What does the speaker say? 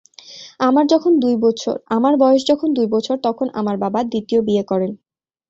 আমার বয়স যখন দুই বছর, তখন আমার বাবা দ্বিতীয় বিয়ে করেন।